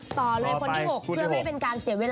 ต่อเลยคนที่๖เพื่อไม่เป็นการเสียเวลา